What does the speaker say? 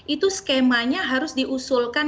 itu skemanya harus diusulkan